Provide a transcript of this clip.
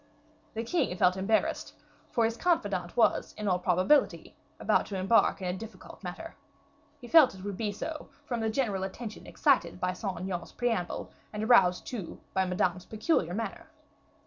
The king felt embarrassed, for his confidant was, in all probability, about to embark in a difficult matter. He felt that it would be so, from the general attention excited by Saint Aignan's preamble, and aroused too by Madame's peculiar manner.